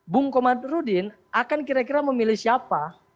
bung komadrudin akan kira kira memilih siapa